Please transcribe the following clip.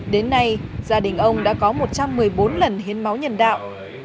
đến nay gia đình ông đã có một trăm một mươi bốn lần hiến máu nhân đạo